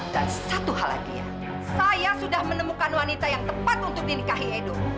dan satu hal lagi ya saya sudah menemukan wanita yang tepat untuk dinikahi edo